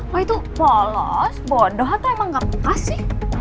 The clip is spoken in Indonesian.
lo itu polos bodoh atau emang gak pengkas sih